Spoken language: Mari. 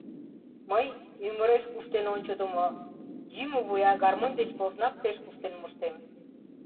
Мый, ӱмыреш куштен ончыдымо, йӱмӧ вуя гармонь деч поснак пеш куштен моштем.